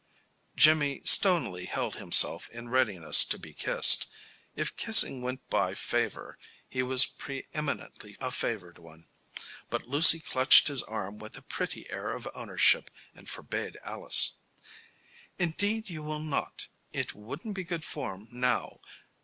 Jimmy stonily held himself in readiness to be kissed. If kissing went by favor he was pre eminently a favored one. But Lucy clutched his arm with a pretty air of ownership and forbade Alice. "Indeed, you will not. It wouldn't be good form now.